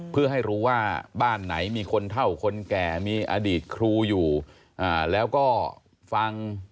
เพื่อให้รู้ว่าบ้านไหนมีคนเท่าคนแก่มีอดีตครูอยู่แล้วก็ฟัง